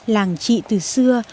làng chị từ xưa